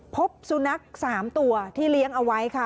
พบสุนัข๓ตัวที่เลี้ยงเอาไว้ค่ะ